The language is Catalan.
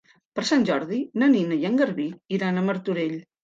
Per Sant Jordi na Nina i en Garbí iran a Martorell.